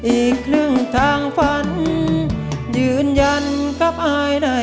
อีกครึ่งทางฟันยืนยั้นกับล่ายนายบ่น